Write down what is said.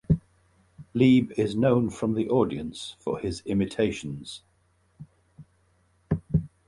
Leeb is known from the audience for his imitations.